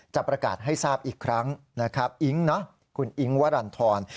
จะประกาศให้ทราบอีกครั้งอิงวรรณธร